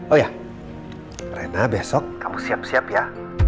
oh ya rena besok kamu siap siap ya